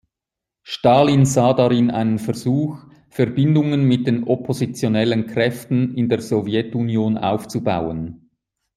Stalin sah darin einen Versuch, Verbindungen mit den oppositionellen Kräften in der Sowjetunion aufzubauen.